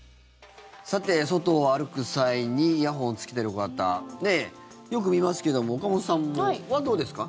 外を歩く際にイヤホンをつけている方よく見ますけども岡本さんはどうですか？